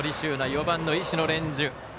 ４番の石野蓮授。